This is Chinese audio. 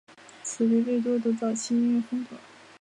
此为魏多的早期音乐风格。